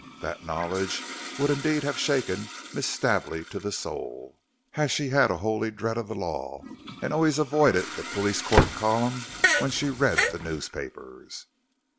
That knowledge would indeed have shaken Miss Stably to the soul, as she had a holy dread of the law, and always avoided the police court column when she read the newspapers.